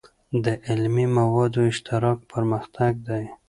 د علمي موادو اشتراک پرمختګ دی.